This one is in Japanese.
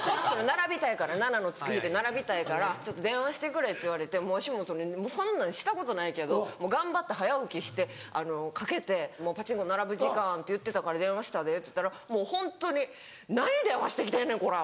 「７の付く日で並びたいから電話してくれ」って言われてわしもそんなんしたことないけど頑張って早起きしてかけて「パチンコ並ぶ時間って言ってたから電話したで」って言ったらもうホントに「何電話してきてんねんこら！」